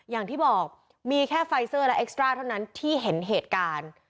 อย่างที่บอกมีแค่ไฟเซอร์และเอ็กซ่าเท่านั้นที่เห็นเหตุการณ์